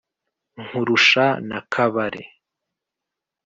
nkurusha na kabare,